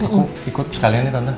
aku ikut sekalian ya tante